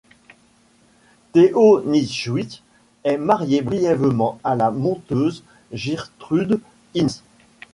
Theo Nischwitz est marié brièvement à la monteuse Gertrud Hinz.